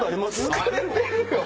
疲れてるよ！